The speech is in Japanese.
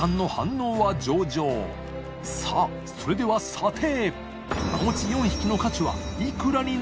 磴気それでは査定！